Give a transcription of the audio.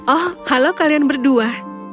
oh halo kalian berdua